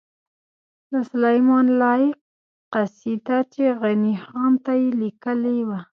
د سلیمان لایق قصیده چی غنی خان ته یی لیکلې وه